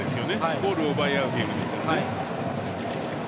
ゴールを奪い合うゲームですから。